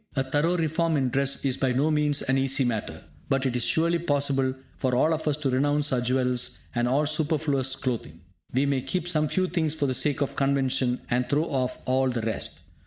A thorough reform in dress is by no means an easy matter, but it is surely possible for all of us to renounce our jewels and all superfluous clothing. We may keep some few things for the sake of convention, and throw off all the rest.